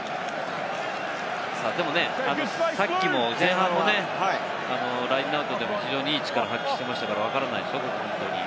でもね、さっきも、前半もラインアウトでも非常にいい力を発揮していましたから、わからないですよ、本当に。